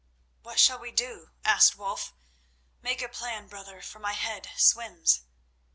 "What shall we do?" asked Wulf. "Make a plan, brother, for my head swims."